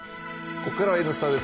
ここからは「Ｎスタ」です。